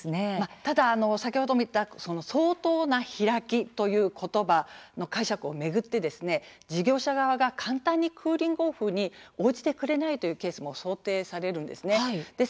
ただ先ほども言った相当な開きということばの解釈を巡って事業者側が簡単にクーリング・オフに応じてくれないというケースも想定されるんです。